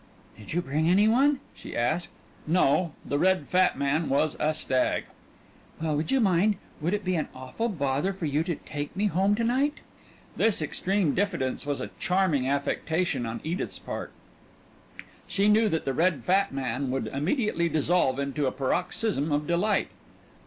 "Did you bring any one?" she asked. No. The red fat man was a stag. "Well, would you mind would it be an awful bother for you to to take me home to night?" (this extreme diffidence was a charming affectation on Edith's part she knew that the red fat man would immediately dissolve into a paroxysm of delight).